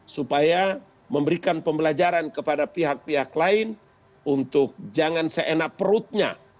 supaya memberikan pembelajaran kepada pihak pihak lain untuk jangan seenak perutnya